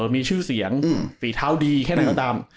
มีชื่อเสียงฝีเท้าดีแค่ไหนก็ตาม